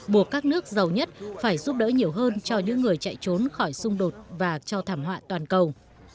buộc các nước giàu nhất phải giúp đỡ nhiều hơn cho những người chạy trốn khỏi xung đột và cho thảm họa toàn cầu